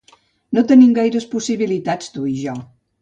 No tenim gaires possibilitats tu i jo.